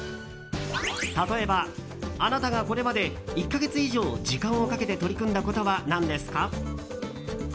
例えば、あなたがこれまで１か月以上時間をかけて取り組んだことは何ですか？